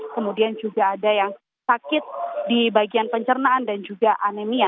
kemudian juga ada yang sakit di bagian pencernaan dan juga anemia